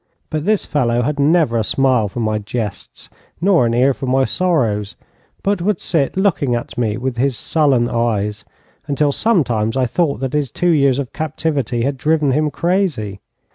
But this fellow had never a smile for my jests, nor an ear for my sorrows, but would sit looking at me with his sullen eyes, until sometimes I thought that his two years of captivity had driven him crazy.